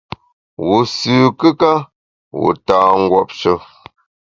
Wu sü kùka, wu ta nguopshe.